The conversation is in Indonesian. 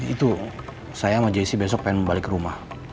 itu saya sama jessi besok pengen balik ke rumah